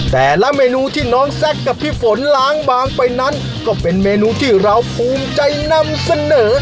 แต่ละเมนูที่น้องแซคกับพี่ฝนล้างบางไปนั้นก็เป็นเมนูที่เราภูมิใจนำเสนอ